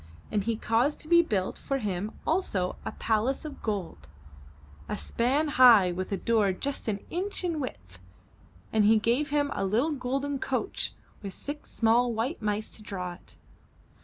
And he caused to be built for him also a palace of 268 UP ONE PAIR OF STAIRS gold, a span high, with a door just an inch in width, and he gave him a Httle golden coach with six small white mice to draw it.